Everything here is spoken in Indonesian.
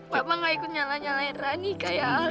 papa gak ikut nyalah nyalahin rani kayak aldi